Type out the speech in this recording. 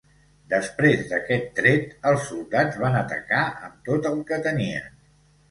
Després d'aquest tret, els soldats van atacar amb tot el que tenien.